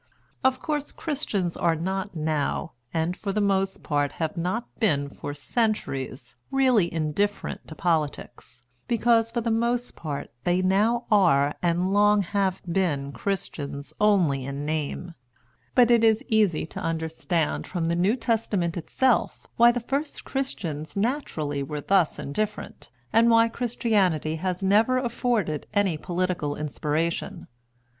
Of course Christians are not now, and for the most part have not been for centuries, really indifferent to politics, because for the most part they now are and long have been Christians only in name; but it is easy to understand from the New Testament itself why the first Christians naturally were thus indifferent, and why Christianity has never afforded any political inspiration.